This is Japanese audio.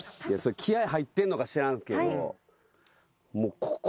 気合入ってんのかしらんけど。